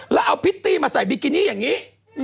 แล้วเอาพริตตี้มาใส่บิกินี่อย่างนี้